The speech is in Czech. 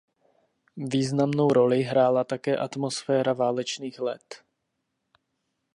Významnou roli hrála také atmosféra válečných let.